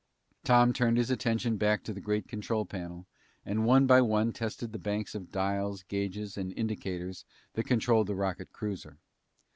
Tom turned his attention back to the great control panel, and one by one tested the banks of dials, gauges, and indicators that controlled the rocket cruiser.